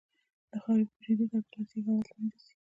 د خاورې په وچېدو سره پلاستیک حالت له منځه ځي